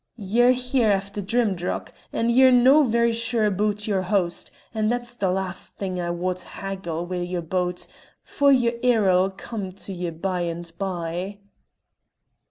Ye're here aifter Drimdarroch, and ye're no' very sure aboot your host, and that's the last thing I wad haggle wi' ye aboot, for your error'll come to ye by and by."